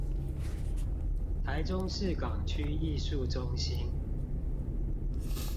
臺中市港區藝術中心